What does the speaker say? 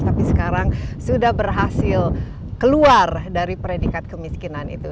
tapi sekarang sudah berhasil keluar dari predikat kemiskinan itu